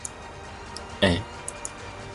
Uwuthatha kangaki ngosuku futhi izinsuku ezingaki.